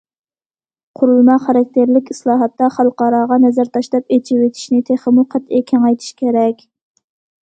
قۇرۇلما خاراكتېرلىك ئىسلاھاتتا خەلقئاراغا نەزەر تاشلاپ، ئېچىۋېتىشنى تېخىمۇ قەتئىي كېڭەيتىش كېرەك.